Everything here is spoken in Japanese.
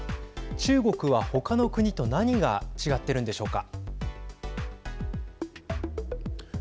中国は他の国と何が違ってるんでしょうか。